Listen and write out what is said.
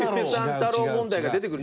太郎問題が出てくる？